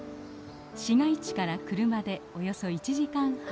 市街地から車でおよそ１時間半